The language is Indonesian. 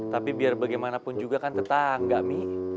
tapi biar bagaimanapun juga kan tetangga nih